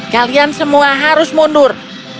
kalian semua harus mundur